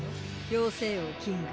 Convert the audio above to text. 妖精王キング。